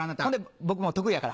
僕得意やから。